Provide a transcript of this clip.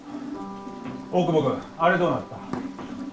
大窪君あれどうなった？